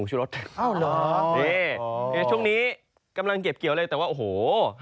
ช่วงนี้กำลังเก็บเกียวเลย